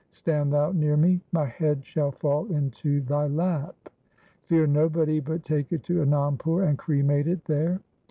Stand thou near me. My head shall fall into thy lap. Fear nobody but take it to Anandpur, and cremate it there.'